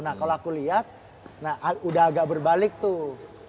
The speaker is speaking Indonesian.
nah kalau aku lihat udah agak berbalik tuh